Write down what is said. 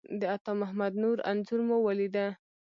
د عطامحمد نور انځور مو ولیده.